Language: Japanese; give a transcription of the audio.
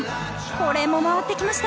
これも回ってきました。